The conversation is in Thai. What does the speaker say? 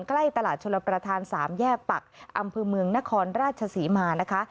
ใกล้ตลาดชลประธาน๓แยกปักอำเภอเมืองนครราชศรีมานะคะ